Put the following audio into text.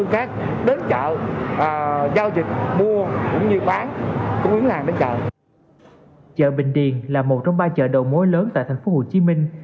chợ bình điền là một trong ba chợ đầu mối lớn tại thành phố hồ chí minh